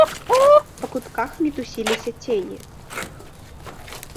Па кутках мітусіліся цені.